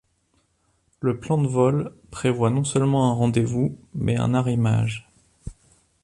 Le plan de vol prévoit non seulement un rendez-vous mais un arrimage.